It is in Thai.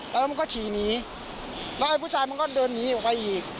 แล้วมันก็ขี่หนีแล้วไอ้ผู้ชายมันก็เดินหนีออกไปอีก